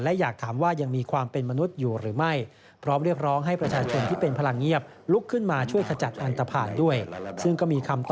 และไม่ได้ขายการการจัดผิดต่างที่เกิดขึ้นนี่มีสุขมาก